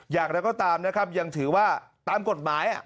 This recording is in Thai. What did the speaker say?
อย่างไรก็ตามนะครับยังถือว่าตามกฎหมาย